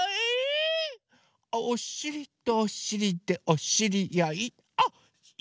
「おしりとおしりでおしりあい」